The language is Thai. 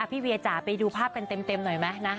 พี่เวียจ๋าไปดูภาพกันเต็มหน่อยไหมนะ